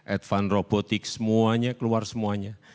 advanced robotics semuanya keluar semuanya